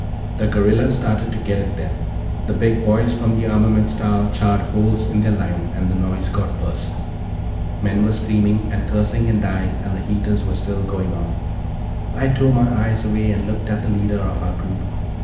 The guerrillas started to get it, then. The big boys from the armaments tower charred holes in their line, and the noise got worse; men were screaming and cursing and dying and the heaters were still going off. I tore my eyes away and looked at the leader of our group.